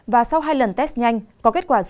và sau hai lần test nhanh có kết quả rằng